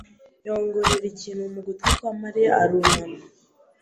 yongorera ikintu mu gutwi kwa Mariya arunama.